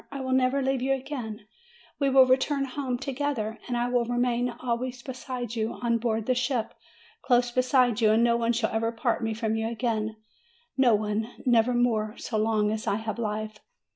I will never leave you again; we will return home together, and I will remain always beside you on board the ship, close beside you, and no one shall ever part me from you again, no one, never more, so long as I have life!"